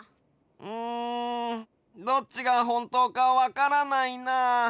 うんどっちがホントかわからないな。